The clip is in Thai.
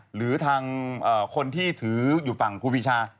หรือทางคนที่ถืออยู่ฝั่งครูปีชา